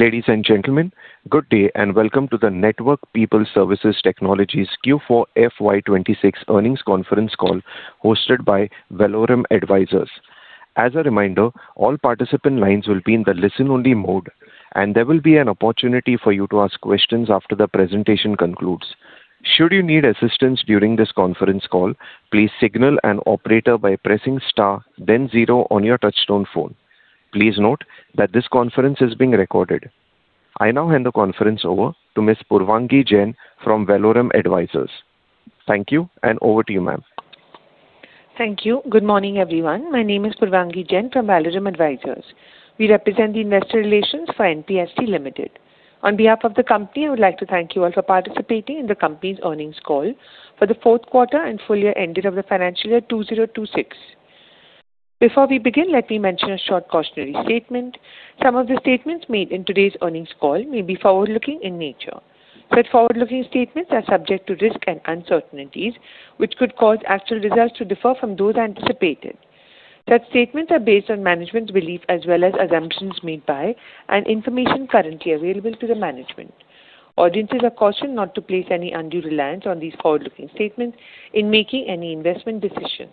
Ladies and gentlemen, good day and welcome to the Network People Services Technologies Q4 FY 2026 earnings conference call hosted by Valorem Advisors. As a reminder, all participant lines will be in the listen-only mode, and there will be an opportunity for you to ask questions after the presentation concludes. Should you need assistance during this conference call, please signal an operator by pressing star then zero on your touchtone phone. Please note that this conference is being recorded. I now hand the conference over to Ms. Purvangi Jain from Valorem Advisors. Thank you, over to you, ma'am. Thank you. Good morning, everyone. My name is Purvangi Jain from Valorem Advisors. We represent the investor relations for NPST Ltd. On behalf of the company, I would like to thank you all for participating in the company's earnings call for the fourth quarter and full year ending of the financial year 2026. Before we begin, let me mention a short cautionary statement. Some of the statements made in today's earnings call may be forward-looking in nature. Such forward-looking statements are subject to risks and uncertainties, which could cause actual results to differ from those anticipated. Such statements are based on management's belief as well as assumptions made by and information currently available to the management. Audiences are cautioned not to place any undue reliance on these forward-looking statements in making any investment decision.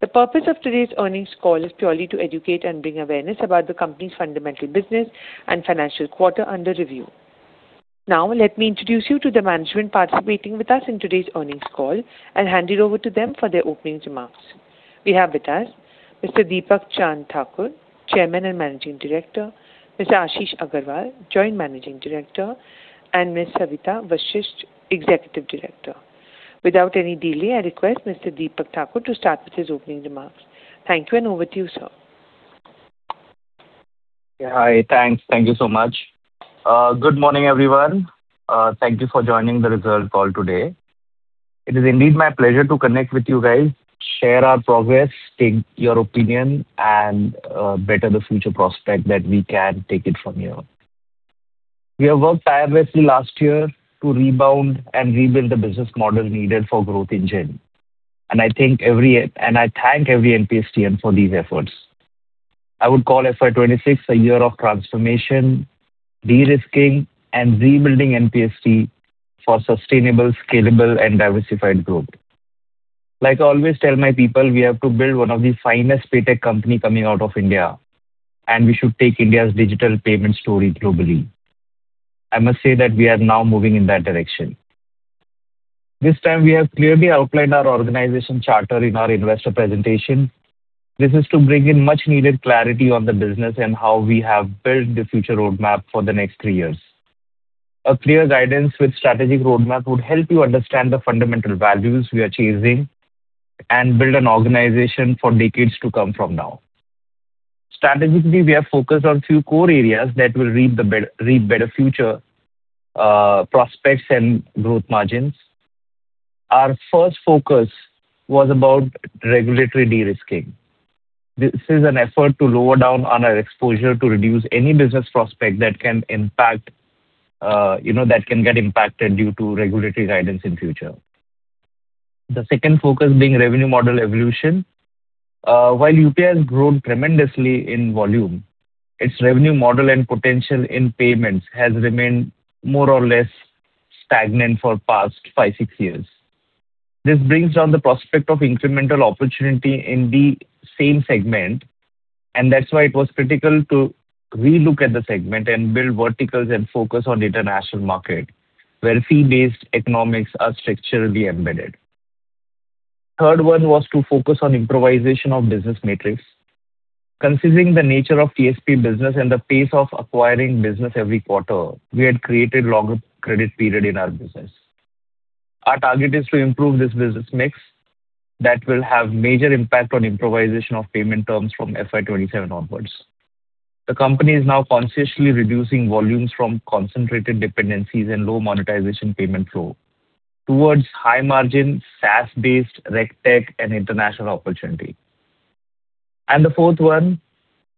The purpose of today's earnings call is purely to educate and bring awareness about the company's fundamental business and financial quarter under review. Now, let me introduce you to the management participating with us in today's earnings call and hand it over to them for their opening remarks. We have with us Mr. Deepak Chand Thakur, Chairman and Managing Director, Mr. Ashish Aggarwal, Joint Managing Director, and Ms. Savita Vashist, Executive Director. Without any delay, I request Mr. Deepak Thakur to start with his opening remarks. Thank you, and over to you, sir. Yeah. Hi. Thanks. Thank you so much. Good morning, everyone. Thank you for joining the results call today. It is indeed my pleasure to connect with you guys, share our progress, take your opinion, and better the future prospect that we can take it from here. We have worked tirelessly last year to rebound and rebuild the business model needed for growth engine. I thank every NPSTian for these efforts. I would call FY 2026 a year of transformation, de-risking, and rebuilding NPST for sustainable, scalable, and diversified growth. Like I always tell my people, we have to build one of the finest PayTech company coming out of India, and we should take India's digital payment story globally. I must say that we are now moving in that direction. This time we have clearly outlined our organization charter in our investor presentation. This is to bring in much needed clarity on the business and how we have built the future roadmap for the next three years. A clear guidance with strategic roadmap would help you understand the fundamental values we are chasing and build an organization for decades to come from now. Strategically, we are focused on few core areas that will reap better future prospects and growth margins. Our first focus was about regulatory de-risking. This is an effort to lower down on our exposure to reduce any business prospect that can get impacted due to regulatory guidance in future. The second focus being revenue model evolution. While UPI has grown tremendously in volume, its revenue model and potential in payments has remained more or less stagnant for past five, six years. This brings down the prospect of incremental opportunity in the same segment, and that's why it was critical to re-look at the segment and build verticals and focus on international market, where fee-based economics are structurally embedded. Third one was to focus on improvisation of business metrics. Considering the nature of TSP business and the pace of acquiring business every quarter, we had created longer credit period in our business. Our target is to improve this business mix that will have major impact on improvisation of payment terms from FY 2027 onwards. The company is now consciously reducing volumes from concentrated dependencies and low monetization payment flow towards high margin, SaaS-based RegTech and international opportunity. The fourth one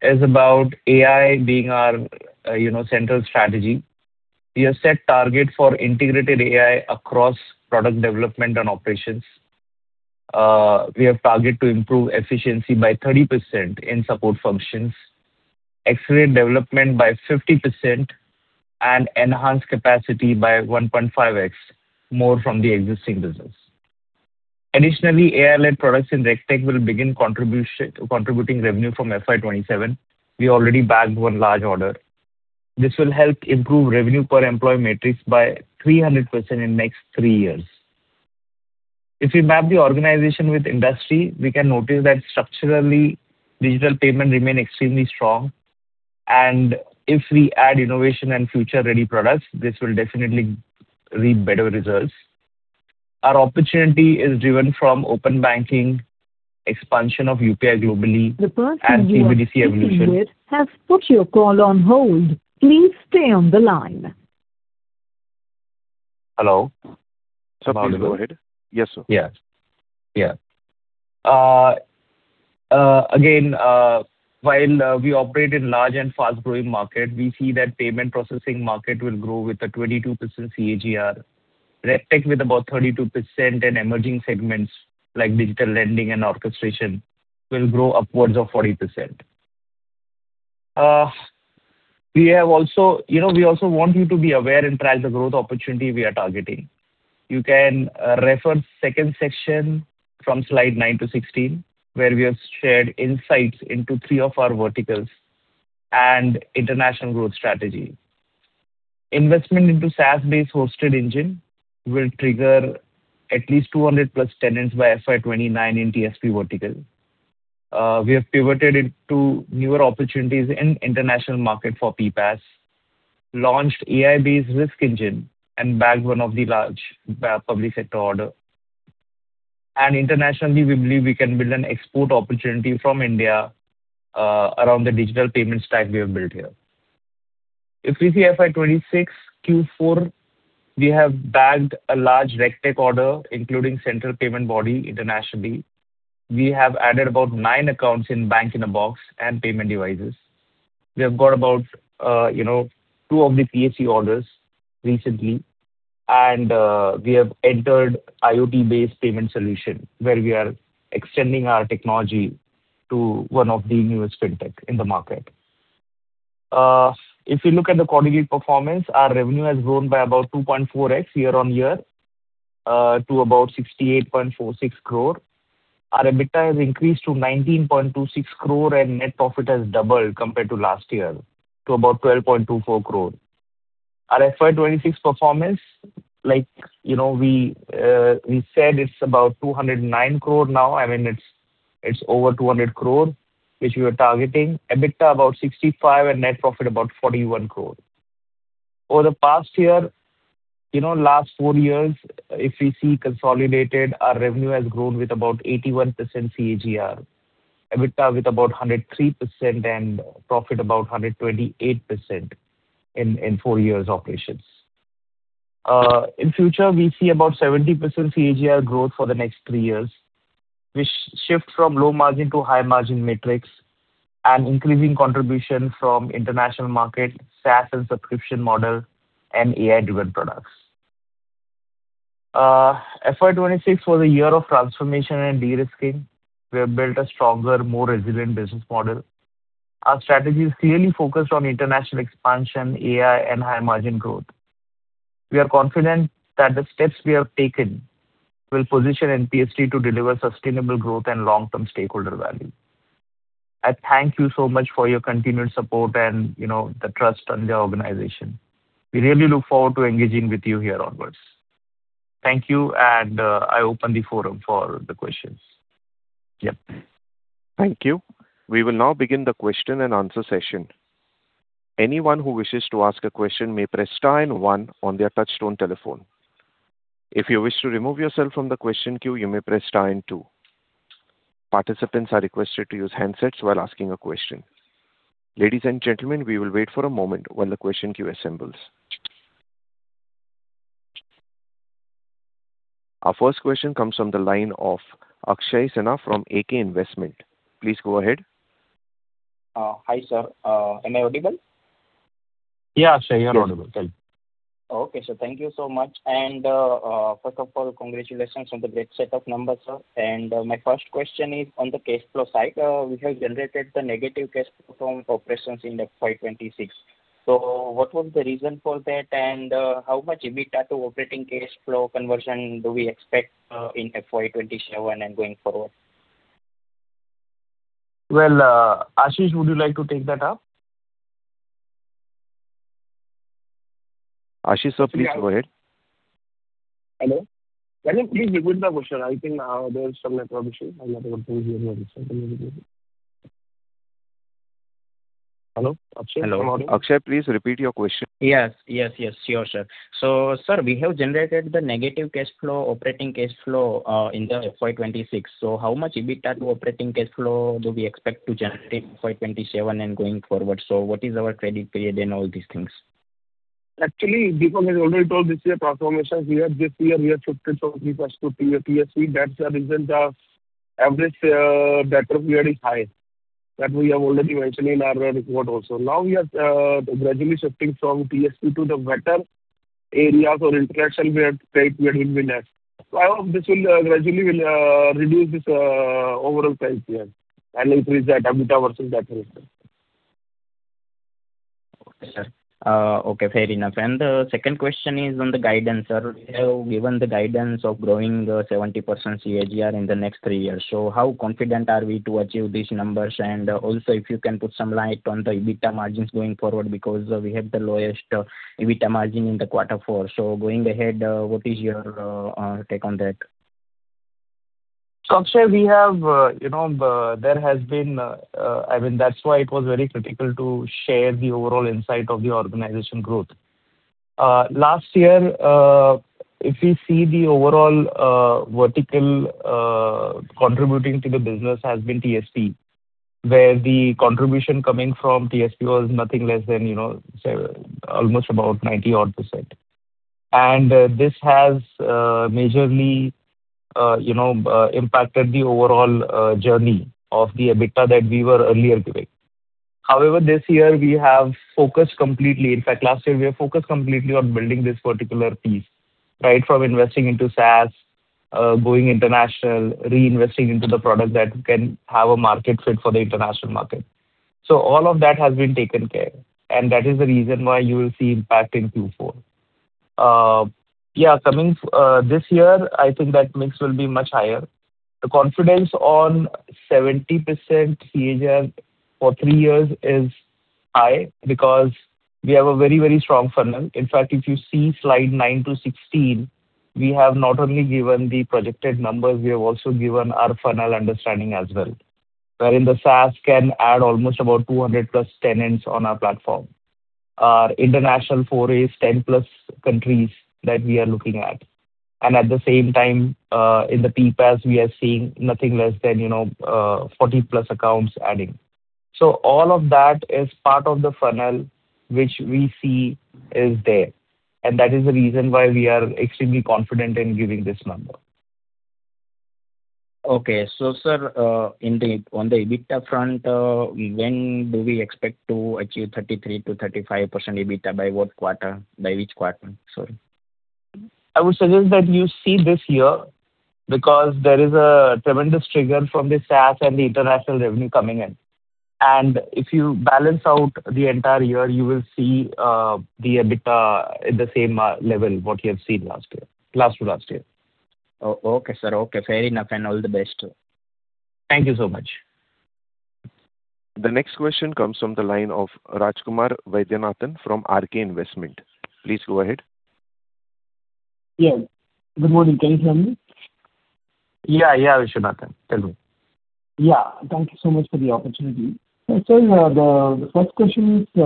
is about AI being our central strategy. We have set target for integrated AI across product development and operations. We have target to improve efficiency by 30% in support functions, accelerate development by 50%, and enhance capacity by 1.5x more from the existing business. Additionally, AI-led products in RegTech will begin contributing revenue from FY 2027. We already bagged one large order. This will help improve revenue per employee matrix by 300% in next three years. If we map the organization with industry, we can notice that structurally, digital payment remain extremely strong. If we add innovation and future-ready products, this will definitely reap better results. Our opportunity is driven from open banking, expansion of UPI globally, and CBDC evolution. The person you are speaking with has put your call on hold. Please stay on the line. Hello. Sir, please go ahead. Yes, sir. Yeah. Again, while we operate in large and fast-growing market, we see that payment processing market will grow with a 22% CAGR RegTech with about 32%, and emerging segments like digital lending and orchestration will grow upwards of 40%. We also want you to be aware and track the growth opportunity we are targeting. You can refer second section from slide nine to 16, where we have shared insights into three of our verticals and international growth strategy. Investment into SaaS-based hosted engine will trigger at least 200-plus tenants by FY 2029 in TSP vertical. We have pivoted into newer opportunities in international market for PPaaS, launched AI-based risk engine, and bagged one of the large public sector order. Internationally, we believe we can build an export opportunity from India around the digital payment stack we have built here. If we see FY 2026 Q4, we have bagged a large RegTech order, including central payment body internationally. We have added about nine accounts in Bank-in-a-Box and payment devices. We have got about two of the PSU orders recently, and we have entered IoT-based payment solution where we are extending our technology to one of the newest FinTech in the market. If you look at the quarterly performance, our revenue has grown by about 2.4x year-on-year to about 68.46 crore. Our EBITDA has increased to 19.26 crore and net profit has doubled compared to last year to about 12.24 crore. Our FY 2026 performance, like we said, it's about 209 crore now. I mean, it's over 200 crore, which we were targeting. EBITDA about 65 crore and net profit about 41 crore. Over the past year, last four years, if we see consolidated, our revenue has grown with about 81% CAGR. EBITDA with about 103%, profit about 128% in four years operations. In future, we see about 70% CAGR growth for the next three years, which shift from low margin to high margin metrics and increasing contribution from international market, SaaS and subscription model, and AI-driven products. FY 2026 was a year of transformation and de-risking. We have built a stronger, more resilient business model. Our strategy is clearly focused on international expansion, AI, and high margin growth. We are confident that the steps we have taken will position NPST to deliver sustainable growth and long-term stakeholder value. I thank you so much for your continued support and the trust on the organization. We really look forward to engaging with you here onwards. Thank you. I open the forum for the questions. Yep. Thank you. We will now begin the question and answer session. Anyone who wishes to ask a question may press star and one on their touchtone telephone. If you wish to remove yourself from the question queue, you may press star and two. Participants are requested to use handsets while asking a question. Ladies and gentlemen, we will wait for a moment while the question queue assembles. Our first question comes from the line of Akshay Kaila from AK Investment. Please go ahead. Hi, sir. Am I audible? Yeah, Akshay, you're audible. Go ahead. Okay, sir. Thank you so much. First of all, congratulations on the great set of numbers, sir. My first question is on the cash flow side. We have generated the negative cash flow from operations in FY 2026. What was the reason for that, and how much EBITDA to operating cash flow conversion do we expect in FY 2027 and going forward? Well, Ashish, would you like to take that up? Ashish, sir, please go ahead. Hello? Can you please repeat the question? I think there's some network issue. I'm not able to hear you. Hello, Akshay. Please repeat your question. Yes. Sure, sir. Sir, we have generated the negative cash flow, operating cash flow, in the FY 2026. How much EBITDA to operating cash flow do we expect to generate in FY 2027 and going forward? What is our credit period and all these things? Actually, Deepak has already told this year transformation. This year we have shifted from PPaaS to TSP. That's the reason the average debtor period is high. That we have already mentioned in our report also. Now we are gradually shifting from TSP to the better areas or interaction where credit period will be less. I hope this gradually will reduce this overall sales period and increase the EBITDA versus debt ratio. Okay, sir. Okay, fair enough. The second question is on the guidance, sir. You have given the guidance of growing 70% CAGR in the next three years. How confident are we to achieve these numbers? Also if you can put some light on the EBITDA margins going forward, because we have the lowest EBITDA margin in the quarter four. Going ahead, what is your take on that? Akshay, that's why it was very critical to share the overall insight of the organization growth. Last year, if you see the overall vertical contributing to the business has been TSP, where the contribution coming from TSP was nothing less than almost about 90%-odd. This has majorly impacted the overall journey of the EBITDA that we were earlier giving. However, this year we have focused completely. In fact, last year we were focused completely on building this particular piece, right from investing into SaaS, going international, reinvesting into the product that can have a market fit for the international market. All of that has been taken care, and that is the reason why you will see impact in Q4. Coming this year, I think that mix will be much higher. The confidence on 70% CAGR for three years is high because we have a very strong funnel. In fact, if you see slide nine to 16, we have not only given the projected numbers, we have also given our funnel understanding as well. Wherein the SaaS can add almost about 200-plus tenants on our platform. Our international foray is 10-plus countries that we are looking at. At the same time, in the PPaaS, we are seeing nothing less than 40-plus accounts adding. All of that is part of the funnel, which we see is there, and that is the reason why we are extremely confident in giving this number. Okay. Sir, on the EBITDA front, when do we expect to achieve 33%-35% EBITDA, by which quarter? Sorry. I would suggest that you see this year, because there is a tremendous trigger from the SaaS and the international revenue coming in. If you balance out the entire year, you will see the EBITDA at the same level, what you have seen last to last year. Okay, sir. Okay, fair enough, and all the best. Thank you so much. The next question comes from the line of Rajkumar Vaidyanathan from RK Investment. Please go ahead. Yes. Good morning. Can you hear me? Yeah, Vaidyanathan. Hello. Thank you so much for the opportunity. Sir, the first question is.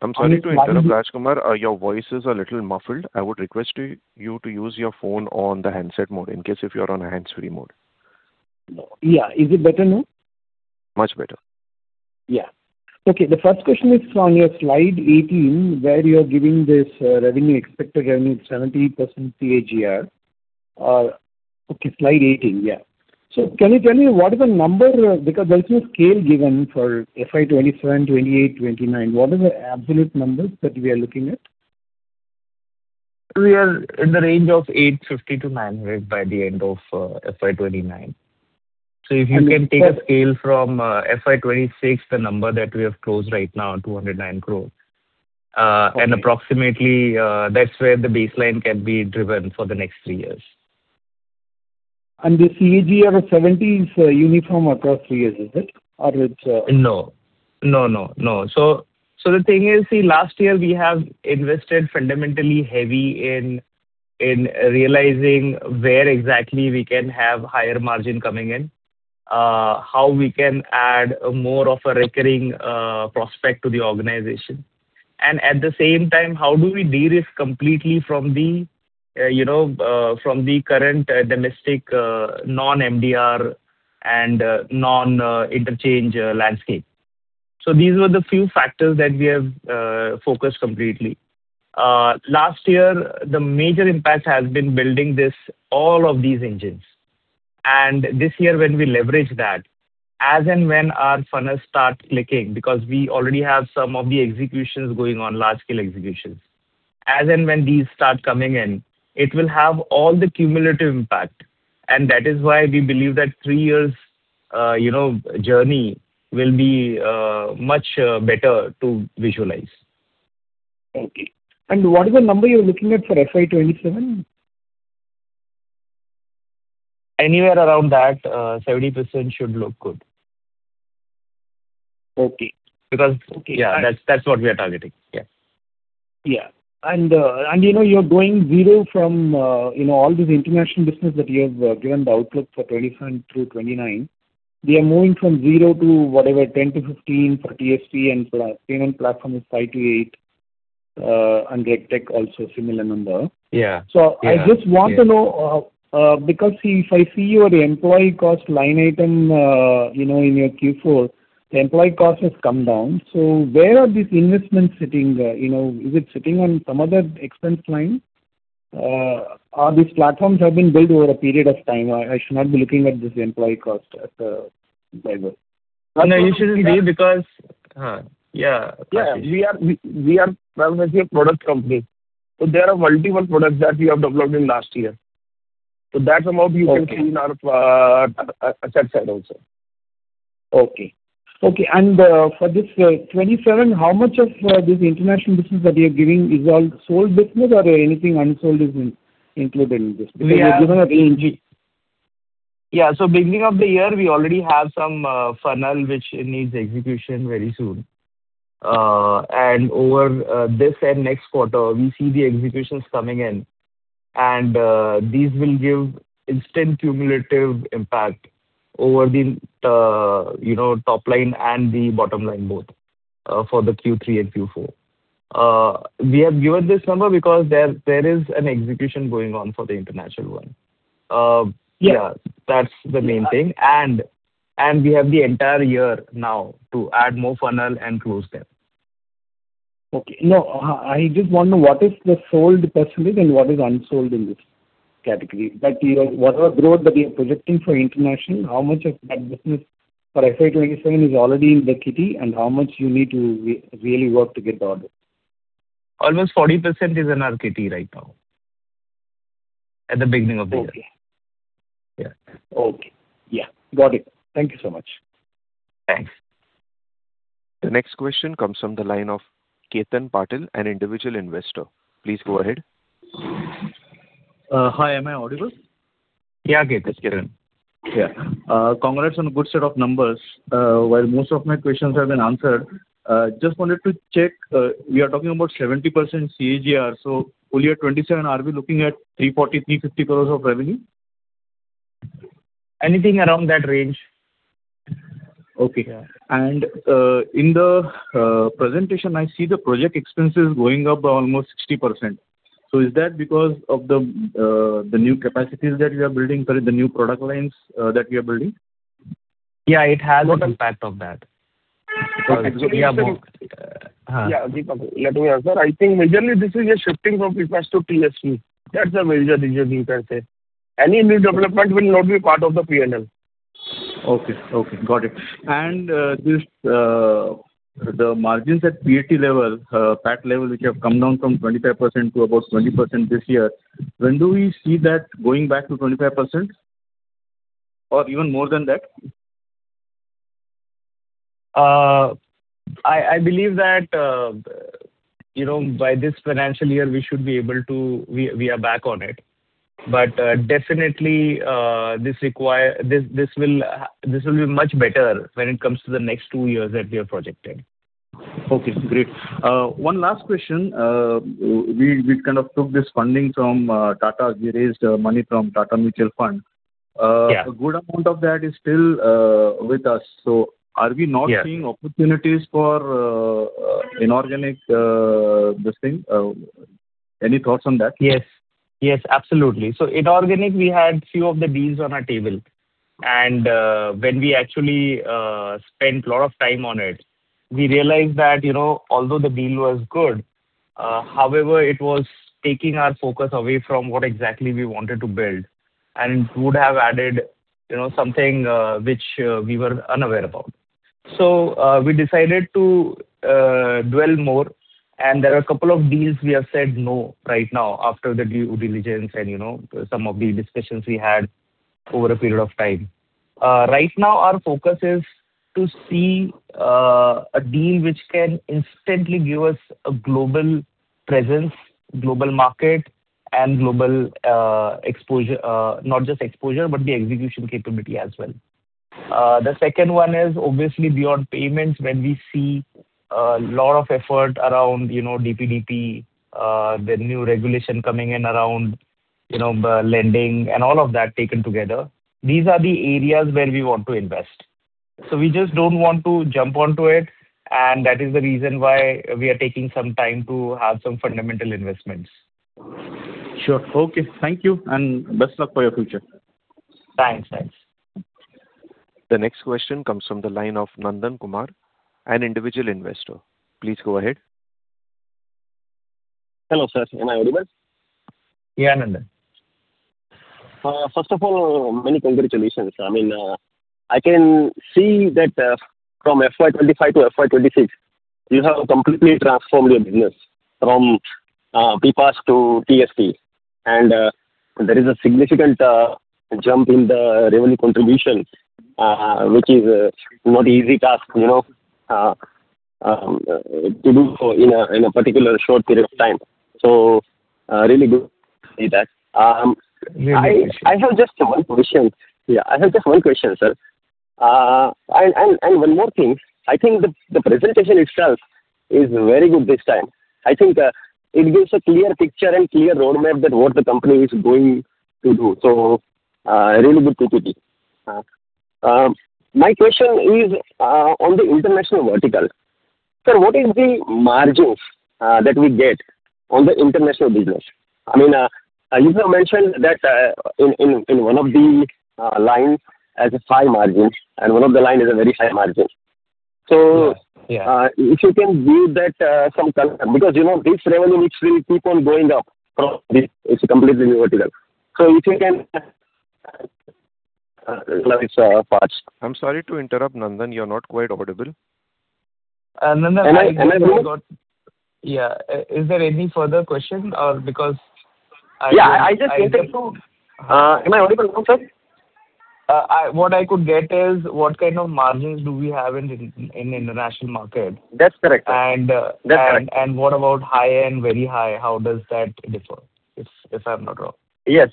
I'm sorry to interrupt, Rajkumar. Your voice is a little muffled. I would request you to use your phone on the handset mode in case if you're on a hands-free mode. Yeah. Is it better now? Much better. Yeah. Okay. The first question is from your slide 18, where you're giving this revenue expected at 70% CAGR. Okay, slide 18, yeah. Can you tell me what is the number? Because there's no scale given for FY 2027, FY 2028, FY 2029. What are the absolute numbers that we are looking at? We are in the range of 850 crore-900 crore by the end of FY 2029. If you can take a scale from FY 2026, the number that we have closed right now, 209 crore. Okay. Approximately, that's where the baseline can be driven for the next three years. The CAGR of 70 is uniform across three years, is it? No. The thing is, see, last year, we have invested fundamentally heavy in realizing where exactly we can have higher margin coming in, how we can add more of a recurring prospect to the organization. At the same time, how do we de-risk completely from the current domestic non-MDR and non-interchange landscape. These were the few factors that we have focused completely. Last year, the major impact has been building all of these engines. This year, when we leverage that, as and when our funnels start clicking, because we already have some of the executions going on, large-scale executions. As and when these start coming in, it will have all the cumulative impact, that is why we believe that 3 years journey will be much better to visualize. Okay. What is the number you're looking at for FY 2027? Anywhere around that, 70% should look good. Okay. Because that's what we are targeting. Yeah. Yeah. You're going zero from all this international business that you have given the outlook for 2025-2029. We are moving from zero to whatever, 10-15 for TSP, and payment platform is five to eight, and RegTech also a similar number. Yeah. I just want to know, because if I see your employee cost line item in your Q4, the employee cost has come down. Where are these investments sitting? Is it sitting on some other expense line? These platforms have been built over a period of time? I should not be looking at this employee cost driver. No, you shouldn't be. Yeah. Yeah. We are primarily a product company, so there are multiple products that we have developed in last year. That amount you can see in our asset side also. Okay. For this FY 2027, how much of this international business that you're giving is all sold business or anything unsold is included in this? Because you've given a range. Yeah. Beginning of the year, we already have some funnel which needs execution very soon. Over this and next quarter, we see the executions coming in, and these will give instant cumulative impact over the top line and the bottom line both for the Q3 and Q4. We have given this number because there is an execution going on for the international one. Yeah. That's the main thing. We have the entire year now to add more funnel and close them. No, I just want to know what is the sold percentage and what is unsold in this category. Whatever growth that you're projecting for international, how much of that business for FY 2027 is already in the kitty, and how much you need to really work to get the order? Almost 40% is in our kitty right now, at the beginning of the year. Okay. Yeah. Okay. Yeah. Got it. Thank you so much. Thanks. The next question comes from the line of Ketan Patel, an individual investor. Please go ahead. Hi, am I audible? Yeah, Ketan. Yeah. Congrats on a good set of numbers. While most of my questions have been answered, just wanted to check, we are talking about 70% CAGR, full year FY 2027, are we looking at 340, 350 crores of revenue? Anything around that range. Okay. Yeah. In the presentation, I see the project expenses going up by almost 60%. Is that because of the new capacities that you are building, sorry, the new product lines that you're building? Yeah, it has- Got it. -an impact of that. Let me ask, sir. I think majorly this is a shifting from PPaaS to TSP. That's the major reason you can say. Any new development will not be part of the P&L. Okay. Got it. The margins at PAT level, which have come down from 25% to about 20% this year, when do we see that going back to 25% or even more than that? I believe that, by this financial year, we are back on it. Definitely, this will be much better when it comes to the next two years that we are projecting. Okay, great. One last question. We kind of took this funding from Tata. We raised money from Tata Mutual Fund. Yeah. A good amount of that is still with us. Yeah. Seeing opportunities for inorganic this thing? Any thoughts on that? Yes, absolutely. Inorganic, we had few of the deals on our table. When we actually spent a lot of time on it, we realized that although the deal was good, however, it was taking our focus away from what exactly we wanted to build and it would have added something which we were unaware about. We decided to dwell more, and there are a couple of deals we have said no right now after the due diligence and some of the discussions we had over a period of time. Right now, our focus is to see a deal which can instantly give us a global presence, global market, and global exposure. Not just exposure, but the execution capability as well. The second one is obviously beyond payments. When we see a lot of effort around DPDP, the new regulation coming in around lending and all of that taken together, these are the areas where we want to invest. We just don't want to jump onto it, and that is the reason why we are taking some time to have some fundamental investments. Sure. Okay. Thank you, and best luck for your future. Thanks. The next question comes from the line of Nandan Kumar, an individual investor. Please go ahead. Hello, sir. Am I audible? Yeah, Nandan. First of all, many congratulations. I can see that from FY 2025 to FY 2026, you have completely transformed your business from PPaaS to TSP, there is a significant jump in the revenue contribution, which is not easy task, to do so in a particular short period of time. Really good to see that. Thank you. I have just one question. Yeah, I have just one question, sir. One more thing, I think the presentation itself is very good this time. I think it gives a clear picture and clear roadmap that what the company is going to do. A really good PPT. My question is on the international vertical. Sir, what is the margins that we get on the international business? You, sir, mentioned that in one of the lines as a high margin and one of the line is a very high margin. Yes. Yeah. If you can give that some color, because this revenue, it will keep on going up. It's a completely new vertical. Now it's parsed. I'm sorry to interrupt, Nandan, you're not quite audible. Nandan- Am I audible? Yeah. Is there any further question? Am I audible now, sir? What I could get is what kind of margins do we have in international market? That's correct. And- That's correct. What about high and very high? How does that differ, if I'm not wrong? Yes.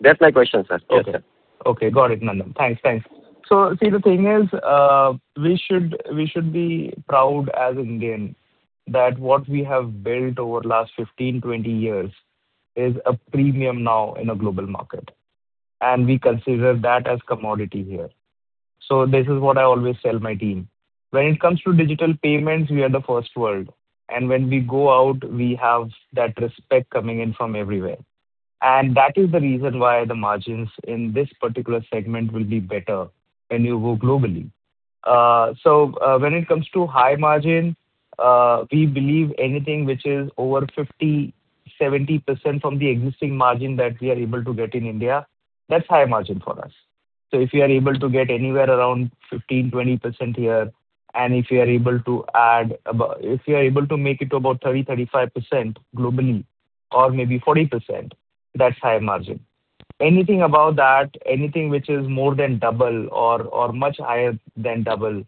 That's my question, sir. Yes. Okay. Got it, Nandan. Thanks. See, the thing is, we should be proud as Indian that what we have built over last 15, 20 years is a premium now in a global market, and we consider that as commodity here. This is what I always tell my team. When it comes to digital payments, we are the first world, and when we go out, we have that respect coming in from everywhere. That is the reason why the margins in this particular segment will be better when you go globally. When it comes to high margin, we believe anything which is over 50, 70% from the existing margin that we are able to get in India, that's high margin for us. If we are able to get anywhere around 15%-20% here, and if we are able to make it to about 30%-35% globally or maybe 40%, that's high margin. Anything above that, anything which is more than double or much higher than double,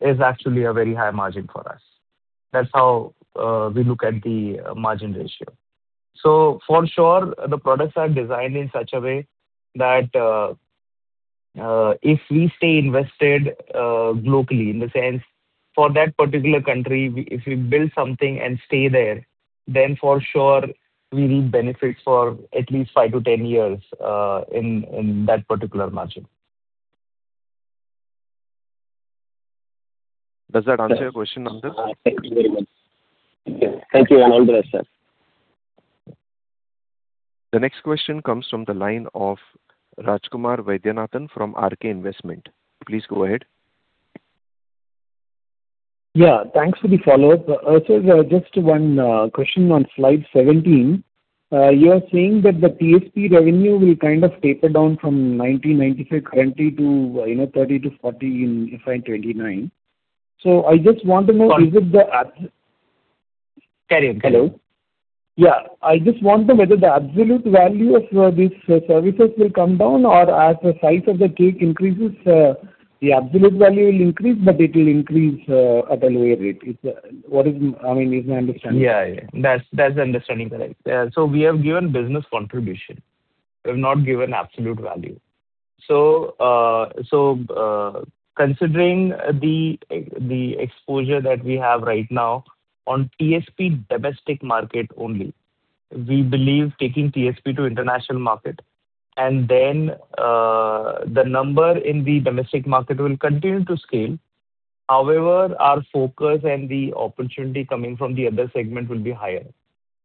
is actually a very high margin for us. That's how we look at the margin ratio. For sure, the products are designed in such a way that if we stay invested globally, in the sense, for that particular country, if we build something and stay there, then for sure we reap benefits for at least 5-10 years in that particular margin. Does that answer your question, Nandan? Thank you very much. Thank you. I am done, sir. The next question comes from the line of Rajkumar Vaidyanathan from RK Investment. Please go ahead. Yeah. Thanks for the follow-up. Also, just one question on slide 17. You are saying that the TSP revenue will kind of taper down from 90%-95% currently to 30%-40% in FY 2029. I just want to know. Sorry. Is it the ab- Carry on. Hello. I just want to know whether the absolute value of these services will come down, or as the size of the cake increases, the absolute value will increase, but it will increase at a lower rate. Is my understanding correct? Yeah. That understanding is correct. We have given business contribution. We have not given absolute value. Considering the exposure that we have right now on TSP domestic market only, we believe taking TSP to international market, and then the number in the domestic market will continue to scale. However, our focus and the opportunity coming from the other segment will be higher.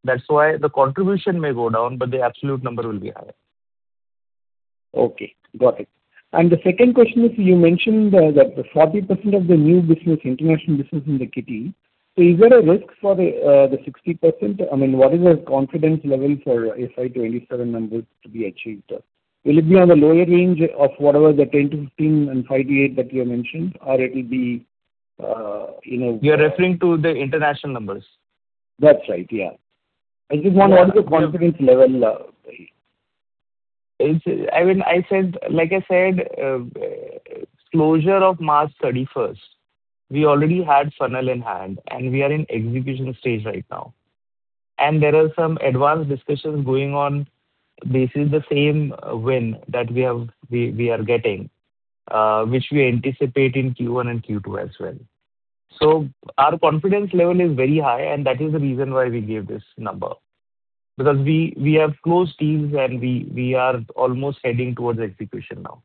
That's why the contribution may go down, but the absolute number will be higher. Okay, got it. The second question is, you mentioned that the 40% of the new business, international business in the kitty, is there a risk for the 60%? What is the confidence level for FY 2027 numbers to be achieved? Will it be on the lower range of whatever the 10-15 and 5-8 that you have mentioned? You're referring to the international numbers? That's right, yeah. I just want the confidence level. Like I said, closure of March 31st, we already had funnel in hand, and we are in execution stage right now. There are some advanced discussions going on. This is the same win that we are getting, which we anticipate in Q1 and Q2 as well. Our confidence level is very high, and that is the reason why we gave this number, because we have closed deals and we are almost heading towards execution now.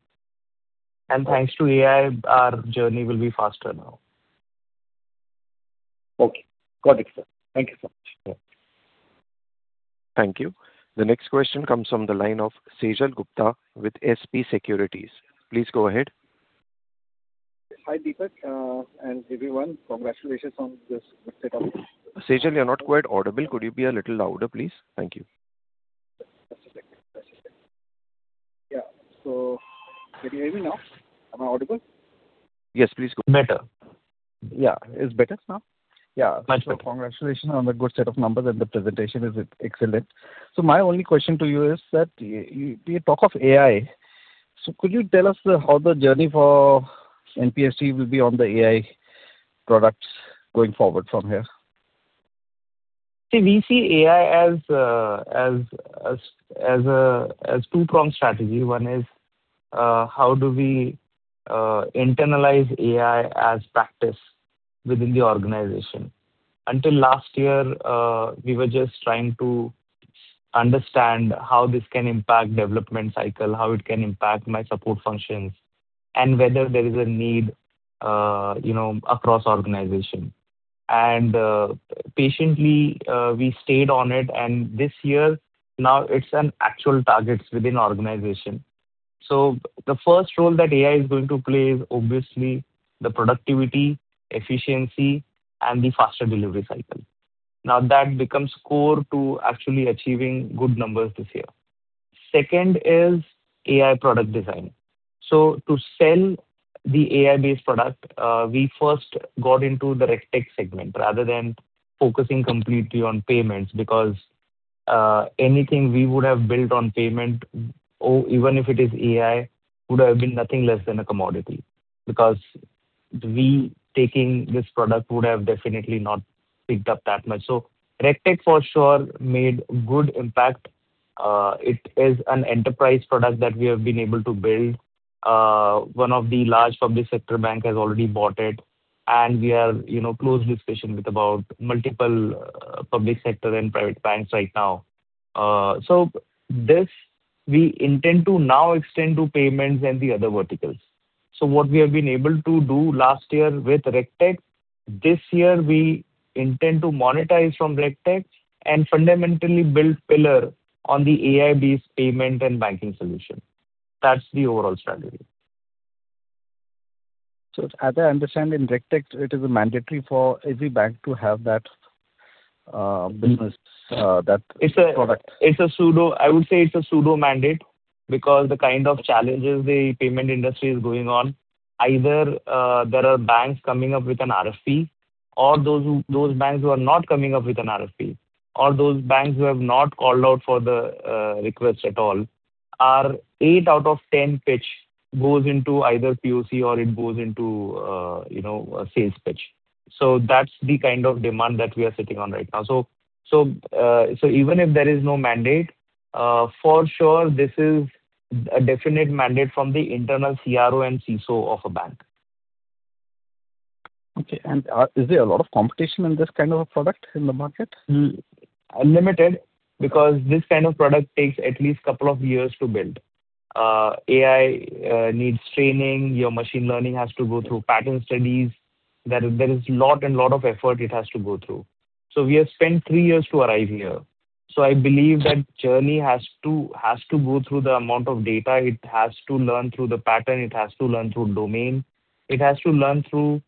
Thanks to AI, our journey will be faster now. Okay. Got it, sir. Thank you so much. Yeah. Thank you. The next question comes from the line of Sejal Gupta with S&P Securities. Please go ahead. Hi, Deepak, and everyone. Congratulations on this set of- Sejal, you're not quite audible. Could you be a little louder, please? Thank you. Just a second. Yeah. Can you hear me now? Am I audible? Yes, please. Better. Yeah. It's better now? Much better. Yeah. Congratulations on the good set of numbers and the presentation is excellent. My only question to you is that you talk of AI. Could you tell us how the journey for NPST will be on the AI products going forward from here? See, we see AI as a two-pronged strategy. One is, how do we internalize AI as practice within the organization? Until last year, we were just trying to understand how this can impact development cycle, how it can impact my support functions, and whether there is a need across the organization. Patiently, we stayed on it, and this year now it's an actual target within the organization. The first role that AI is going to play is obviously the productivity, efficiency and the faster delivery cycle. That becomes core to actually achieving good numbers this year. Second is AI product design. To sell the AI-based product, we first got into the RegTech segment rather than focusing completely on payments because, anything we would have built on payment, even if it is AI, would have been nothing less than a commodity. Because we taking this product would have definitely not picked up that much. RegTech, for sure, made good impact. It is an enterprise product that we have been able to build. One of the large public sector bank has already bought it, and we are in close discussion with about multiple public sector and private banks right now. This we intend to now extend to payments and the other verticals. What we have been able to do last year with RegTech, this year, we intend to monetize from RegTech and fundamentally build pillar on the AI-based payment and banking solution. That's the overall strategy. As I understand, in RegTech, it is mandatory for every bank to have that business, that product. I would say it's a pseudo-mandate because the kind of challenges the payment industry is going on, either there are banks coming up with an RFP or those banks who are not coming up with an RFP, or those banks who have not called out for the request at all, are eight out of 10 pitch goes into either POC or it goes into a sales pitch. That's the kind of demand that we are sitting on right now. Even if there is no mandate, for sure, this is a definite mandate from the internal CRO and CISO of a bank. Okay. Is there a lot of competition in this kind of a product in the market? Unlimited, because this kind of product takes at least a couple of years to build. AI needs training. Your machine learning has to go through pattern studies. There is lot and lot of effort it has to go through. We have spent three years to arrive here. I believe that journey has to go through the amount of data, it has to learn through the pattern, it has to learn through domain. It has to learn through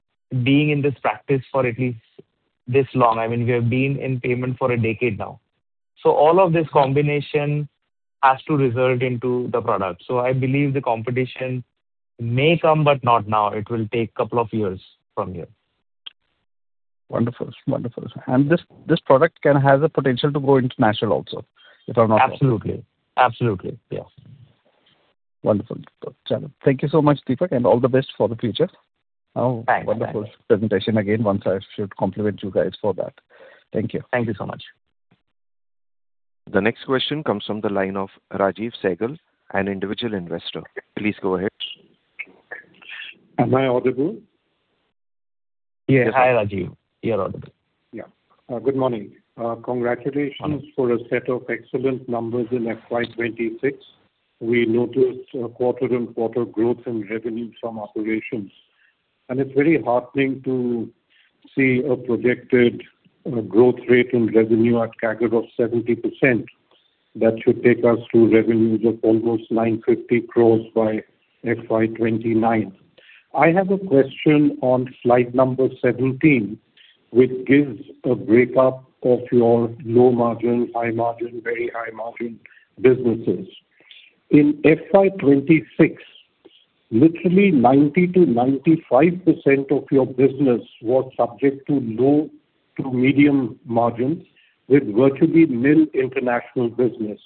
being in this practice for at least this long. We have been in payment for a decade now. All of this combination has to result into the product. I believe the competition may come, but not now. It will take couple of years from here. Wonderful. This product can have the potential to go international also, if I'm not wrong. Absolutely. Yes. Wonderful. Thank you so much, Deepak, and all the best for the future. Thanks. Wonderful presentation again. Once I should compliment you guys for that. Thank you. Thank you so much. The next question comes from the line of Rajiv Sehgal, an individual investor. Please go ahead. Am I audible? Yes. Hi, Rajiv. You're audible. Good morning. Congratulations for a set of excellent numbers in FY 2026. We noticed quarter-on-quarter growth in revenue from operations. It's very heartening to see a projected growth rate in revenue at CAGR of 70%. That should take us to revenues of almost 950 crore by FY 2029. I have a question on slide number 17, which gives a breakup of your low margin, high margin, very high margin businesses. In FY 2026, literally 90%-95% of your business was subject to low to medium margins, with virtually nil international business,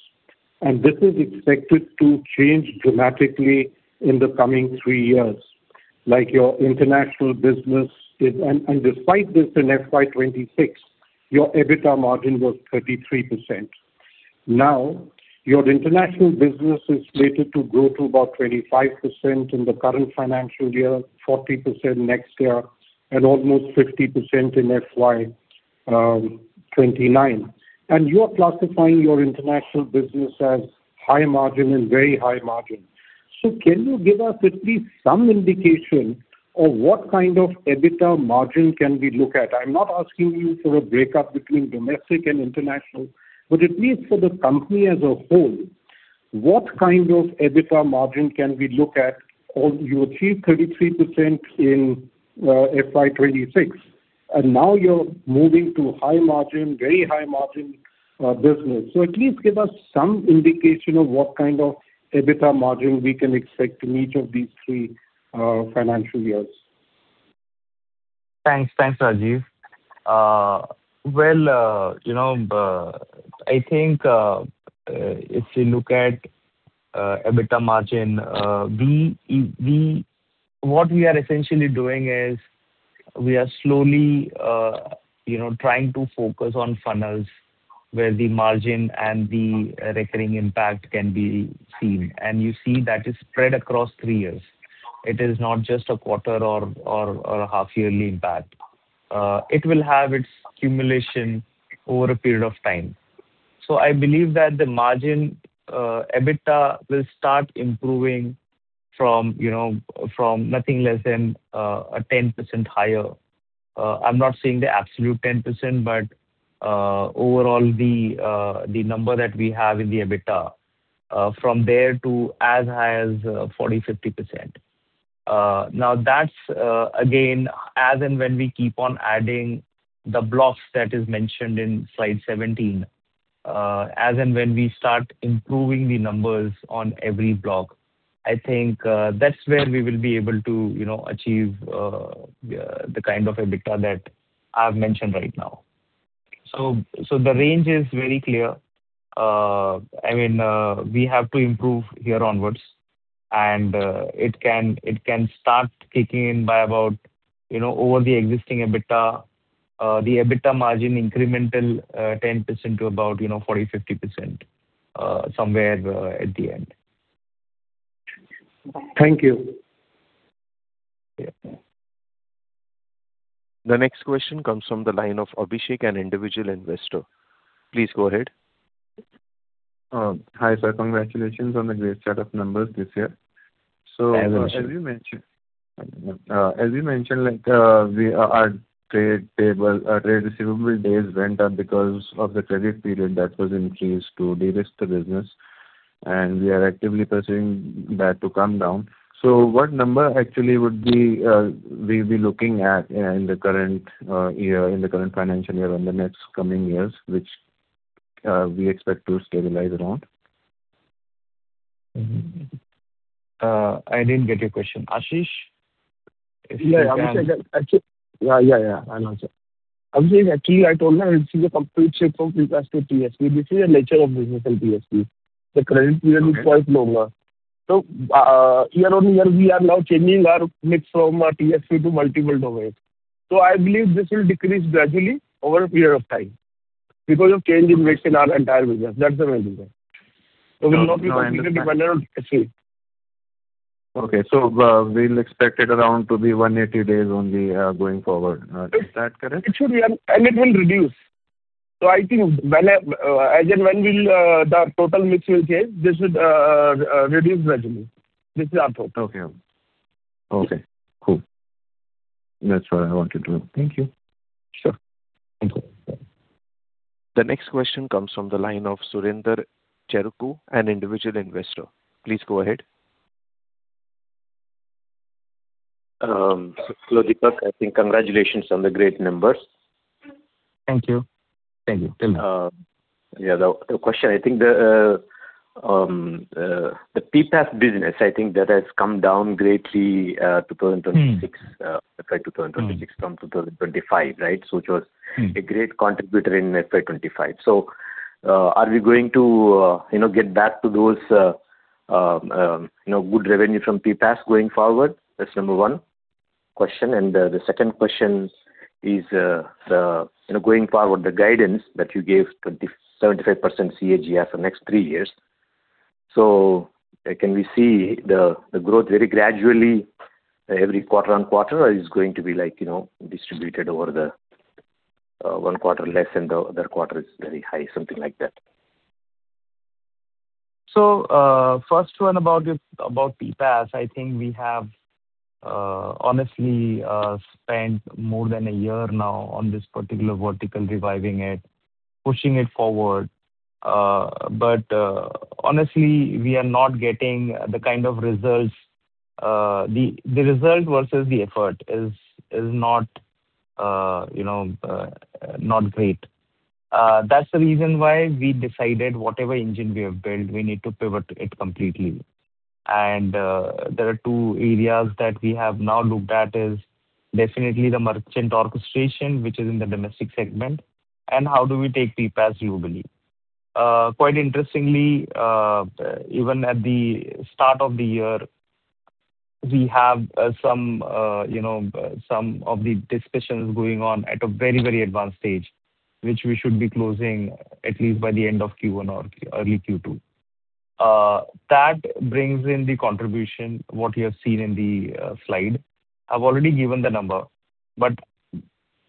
and this is expected to change dramatically in the coming three years. Despite this, in FY 2026, your EBITDA margin was 33%. Your international business is slated to grow to about 25% in the current financial year, 40% next year, and almost 50% in FY 2029. You are classifying your international business as high margin and very high margin. Can you give us at least some indication of what kind of EBITDA margin can we look at? I'm not asking you for a breakup between domestic and international, but at least for the company as a whole, what kind of EBITDA margin can we look at? You achieved 33% in FY 2026, and now you're moving to high margin, very high margin business. At least give us some indication of what kind of EBITDA margin we can expect in each of these three financial years. Thanks, Rajiv. Well, I think if you look at EBITDA margin, what we are essentially doing is we are slowly trying to focus on funnels where the margin and the recurring impact can be seen. You see that is spread across three years. It is not just a quarter or a half yearly impact. It will have its accumulation over a period of time. I believe that the margin EBITDA will start improving from nothing less than a 10% higher. I'm not saying the absolute 10%, but overall, the number that we have in the EBITDA, from there to as high as 40%, 50%. That's again, as and when we keep on adding the blocks that is mentioned in slide 17. As and when we start improving the numbers on every block, I think that's where we will be able to achieve the kind of EBITDA that I've mentioned right now. The range is very clear. We have to improve here onwards, and it can start kicking in by about over the existing EBITDA, the EBITDA margin incremental 10% to about 40%, 50% somewhere at the end. Thank you. Yeah. The next question comes from the line of Abhishek, an individual investor. Please go ahead. Hi, sir. Congratulations on the great set of numbers this year. As mentioned. As you mentioned, our trade receivable days went up because of the credit period that was increased to de-risk the business, and we are actively pursuing that to come down. What number actually would we be looking at in the current financial year and the next coming years, which we expect to stabilize around? I didn't get your question. Yeah, yeah. I know, sir. Abhishek, actually, I told him it is a complete shift from PPaaS to TSP. This is the nature of business in TSP. The credit period is quite longer. Year-on-year, we are now changing our mix from our TSP to multiple domains. I believe this will decrease gradually over a period of time because of change in mix in our entire business. That's the main reason. We'll not be completely dependent on TSP. Okay. We'll expect it around to be 180 days only, going forward. Is that correct? It should be, and it will reduce. I think as and when the total mix will change, this would reduce gradually. This is our thought. Okay. Cool. That's what I wanted to know. Thank you. Sure. Thank you. The next question comes from the line of Surinder Cherukoo, an individual investor. Please go ahead. Hello, Deepak. I think congratulations on the great numbers. Thank you. The question, I think the PPaaS business, I think that has come down greatly FY 2026 from 2025, right, which was a great contributor in FY 2025. Are we going to get back to those good revenue from PPaaS going forward? That's number 1 question. The second question is, going forward, the guidance that you gave, 75% CAGR for next three years. Can we see the growth very gradually every quarter-on-quarter, or is going to be distributed over the 1 quarter less and the other quarter is very high, something like that? First one about PPaaS, I think we have honestly spent more than one year now on this particular vertical, reviving it, pushing it forward. Honestly, we are not getting the kind of results. The result versus the effort is not great. That's the reason why we decided whatever engine we have built, we need to pivot to it completely. There are two areas that we have now looked at is definitely the merchant orchestration, which is in the domestic segment, and how do we take PPaaS globally. Interestingly, even at the start of the year, we have some of the discussions going on at a very advanced stage, which we should be closing at least by the end of Q1 or early Q2. That brings in the contribution, what you have seen in the slide. I've already given the number, but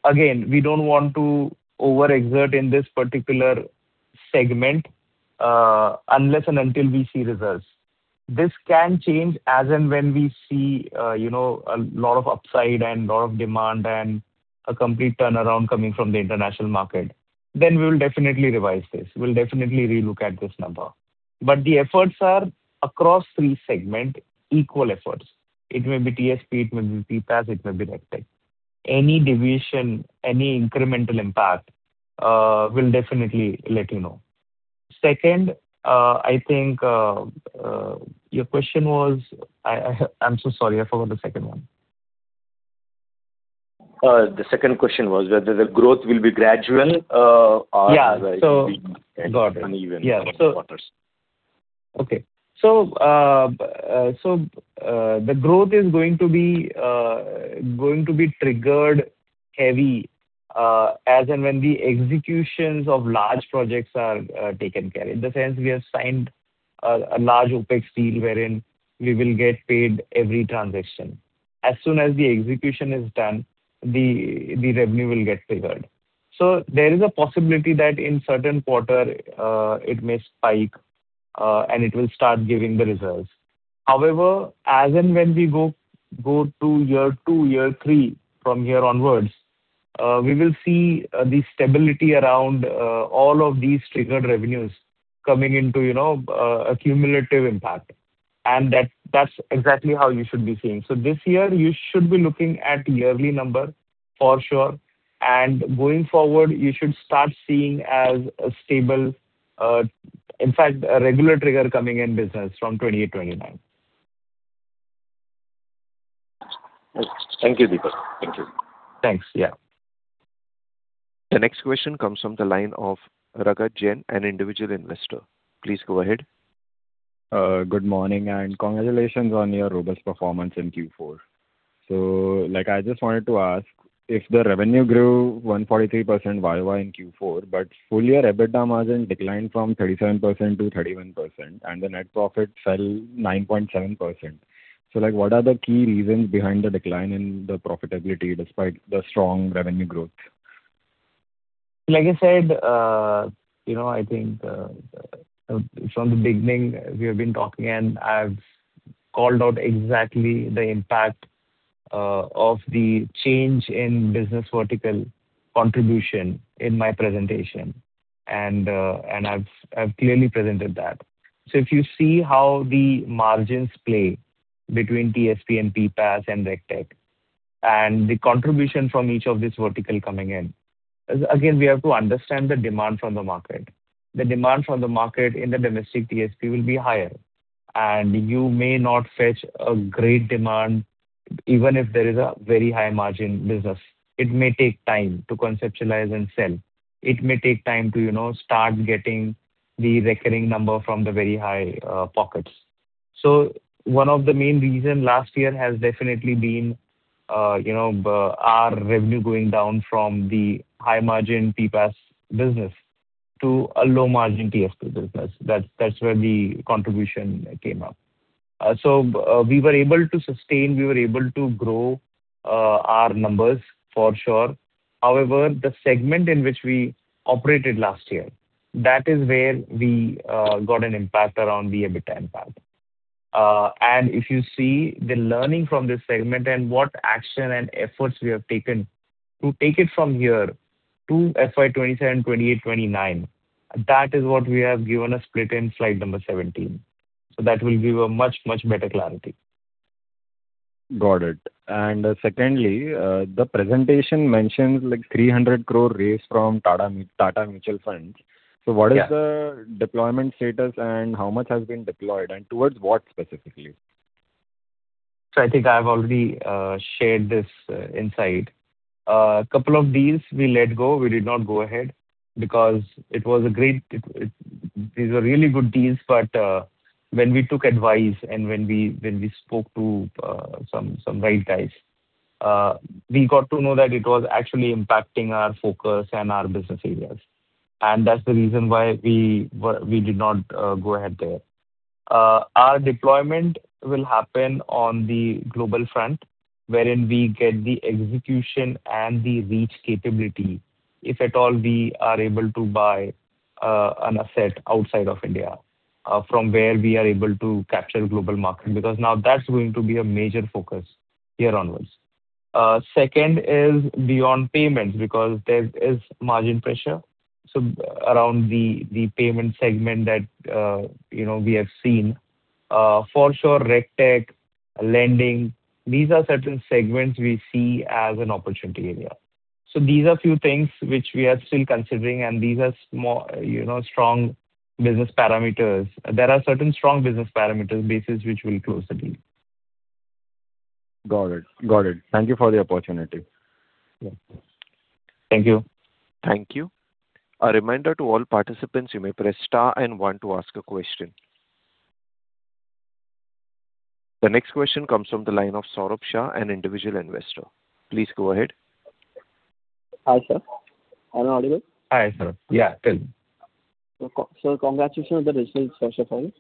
again, we don't want to overexert in this particular segment, unless and until we see results. This can change as and when we see a lot of upside and lot of demand and a complete turnaround coming from the international market. We'll definitely revise this. We'll definitely re-look at this number. The efforts are across three segment, equal efforts. It may be TSP, it may be PPaaS, it may be RegTech. Any division, any incremental impact, we'll definitely let you know. Second, I think your question was I'm so sorry, I forgot the second one. The second question was whether the growth will be gradual or- Yeah. got it. -uneven across the quarters. Okay. The growth is going to be triggered heavy as and when the executions of large projects are taken care. In the sense, we have signed a large OpEx deal wherein we will get paid every transaction. As soon as the execution is done, the revenue will get triggered. There is a possibility that in certain quarter, it may spike, and it will start giving the results. However, as and when we go to year 2, year 3 from here onwards, we will see the stability around all of these triggered revenues coming into a cumulative impact. That's exactly how you should be seeing. This year, you should be looking at yearly number for sure, and going forward, you should start seeing as a stable, in fact, a regular trigger coming in business from FY 2028, FY 2029. Thank you, Deepak. Thank you. Thanks. Yeah. The next question comes from the line of Raghav Jain, an individual investor. Please go ahead. Good morning, and congratulations on your robust performance in Q4. I just wanted to ask, if the revenue grew 143% YoY in Q4, but full-year EBITDA margin declined from 37%-31%, and the net profit fell 9.7%. What are the key reasons behind the decline in the profitability despite the strong revenue growth? Like I said, I think from the beginning, we have been talking and I've called out exactly the impact of the change in business vertical contribution in my presentation. I've clearly presented that. If you see how the margins play between TSP and PPaaS and RegTech, and the contribution from each of these vertical coming in. Again, we have to understand the demand from the market. The demand from the market in the domestic TSP will be higher, and you may not fetch a great demand even if there is a very high-margin business. It may take time to conceptualize and sell. It may take time to start getting the recurring number from the very high pockets. One of the main reason last year has definitely been our revenue going down from the high-margin PPaaS business to a low-margin TSP business. That's where the contribution came up. We were able to sustain, we were able to grow our numbers for sure. However, the segment in which we operated last year, that is where we got an impact around the EBITDA impact. If you see the learning from this segment and what action and efforts we have taken to take it from here to FY 2027, 2028, 2029, that is what we have given a split in slide number 17. That will give a much, much better clarity. Got it. Secondly, the presentation mentions 300 crore raised from Tata Mutual Fund. Yeah. What is the deployment status and how much has been deployed, and towards what specifically? I think I've already shared this insight. A couple of deals we let go. We did not go ahead because these were really good deals, but when we took advice and when we spoke to some right guys, we got to know that it was actually impacting our focus and our business areas. That's the reason why we did not go ahead there. Our deployment will happen on the global front, wherein we get the execution and the reach capability, if at all we are able to buy an asset outside of India, from where we are able to capture global market. Now that's going to be a major focus here onwards. Second is beyond payments, because there is margin pressure around the payment segment that we have seen. For sure, RegTech, lending, these are certain segments we see as an opportunity area. These are few things which we are still considering, and these are strong business parameters. There are certain strong business parameters basis which we'll close the deal. Got it. Thank you for the opportunity. Yeah. Thank you. Thank you. A reminder to all participants, you may press star and one to ask a question. The next question comes from the line of Saurabh Shah, an individual investor. Please go ahead. Hi, sir. Am I audible? Hi, sir. Yeah, tell me. Congratulations on the results, first of all.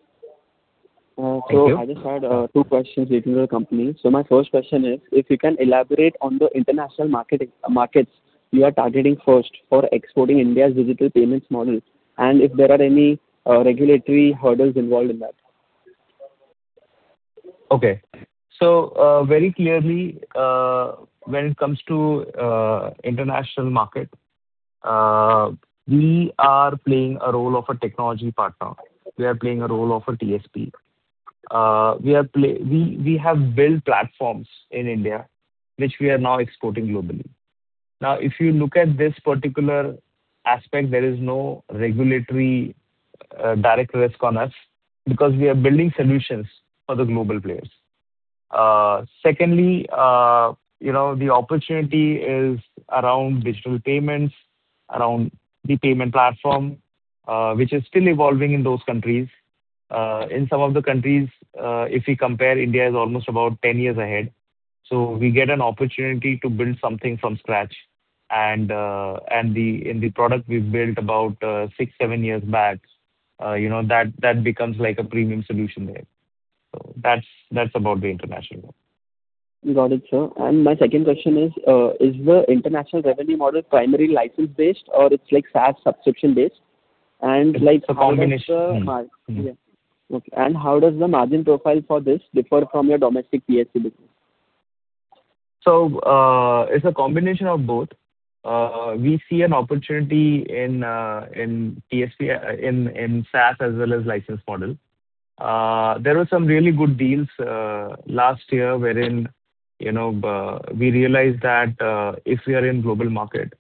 Thank you. I just had two questions relating to the company. My first question is, if you can elaborate on the international markets you are targeting first for exporting India's digital payments model, and if there are any regulatory hurdles involved in that. Okay. Very clearly, when it comes to international market, we are playing a role of a technology partner. We are playing a role of a TSP. We have built platforms in India, which we are now exporting globally. If you look at this particular aspect, there is no regulatory direct risk on us because we are building solutions for the global players. Secondly, the opportunity is around digital payments, around the payment platform, which is still evolving in those countries. In some of the countries, if we compare, India is almost about 10 years ahead. We get an opportunity to build something from scratch. In the product we built about six, seven years back, that becomes like a premium solution there. That's about the international one. Got it, sir. My second question is the international revenue model primary license-based, or it's like SaaS subscription-based? It's a combination. Yeah. Okay. How does the margin profile for this differ from your domestic TSP business? It's a combination of both. We see an opportunity in SaaS as well as license model. There were some really good deals last year wherein we realized that if we are in global market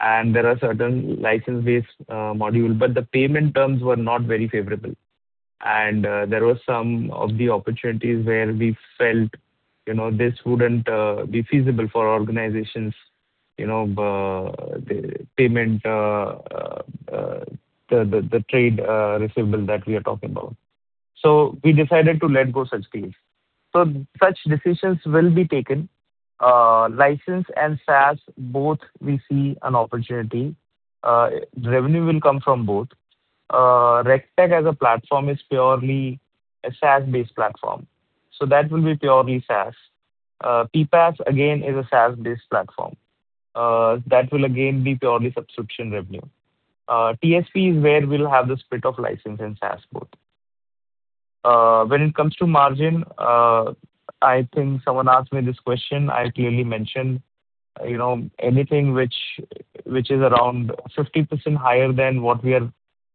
and there are certain license-based module, but the payment terms were not very favorable. There were some of the opportunities where we felt this wouldn't be feasible for organizations, the payment, the trade receivable that we are talking about. We decided to let go such deals. Such decisions will be taken. License and SaaS, both we see an opportunity. Revenue will come from both. RegTech as a platform is purely a SaaS-based platform. That will be purely SaaS. PPaaS, again, is a SaaS-based platform. That will again be purely subscription revenue. TSP is where we'll have the split of license and SaaS both. When it comes to margin, I think someone asked me this question, I clearly mentioned, anything which is around 50% higher than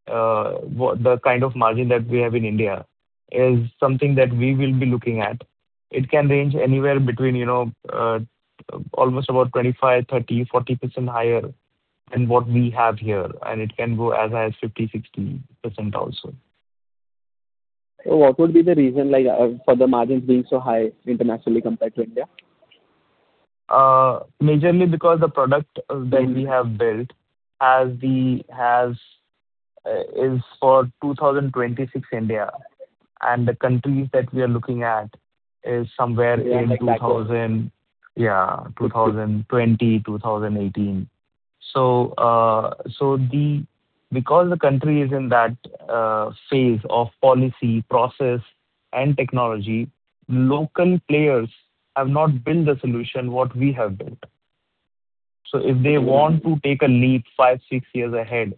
the kind of margin that we have in India is something that we will be looking at. It can range anywhere between almost about 25%, 30%, 40% higher than what we have here, and it can go as high as 50%, 60% also. What would be the reason for the margins being so high internationally compared to India? Majorly because the product that we have built is for 2026 India, and the countries that we are looking at is somewhere in 2020, 2018. Because the country is in that phase of policy, process, and technology, local players have not built the solution what we have built. If they want to take a leap five, six years ahead,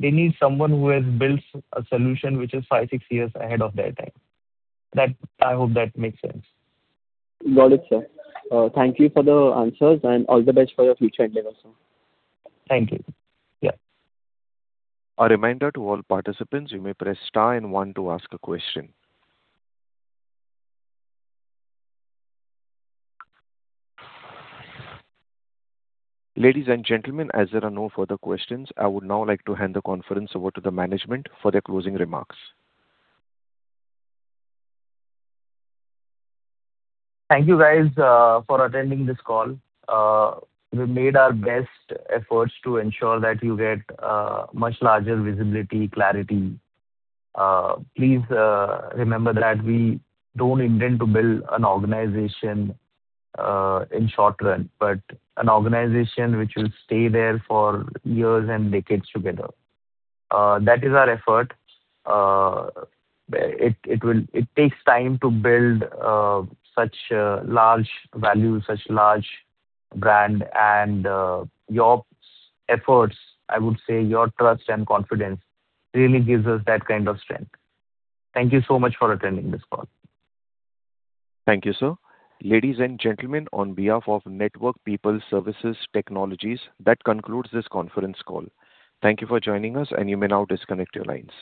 they need someone who has built a solution which is five, six years ahead of their time. I hope that makes sense. Got it, sir. Thank you for the answers, and all the best for your future endeavors, sir. Thank you. Yeah. A reminder to all participants, you may press star and one to ask a question. Ladies and gentlemen, as there are no further questions, I would now like to hand the conference over to the management for their closing remarks. Thank you guys for attending this call. We've made our best efforts to ensure that you get much larger visibility, clarity. Please remember that we don't intend to build an organization in short run, but an organization which will stay there for years and decades together. That is our effort. It takes time to build such a large value, such large brand, and your efforts, I would say, your trust and confidence really gives us that kind of strength. Thank you so much for attending this call. Thank you, sir. Ladies and gentlemen, on behalf of Network People Services Technologies, that concludes this conference call. Thank you for joining us, and you may now disconnect your lines.